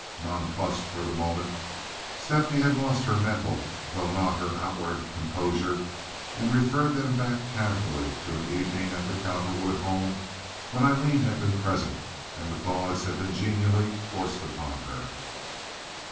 Nonplussed for the moment, Stephanie had lost her mental, though not her outward, composure and referred them back casually to an evening at the Cowperwood home when Aileen had been present and the gauds had been genially forced upon her.